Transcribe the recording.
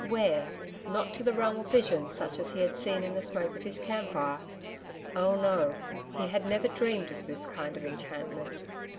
Where? .... Not to the realm of visions such as he had seen in the smoke of his camp fire. Oh no. He had never dreamed of this kind of enchantment.